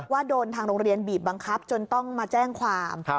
ว่าโดนทางโรงเรียนบีบบังคับจนต้องมาแจ้งความ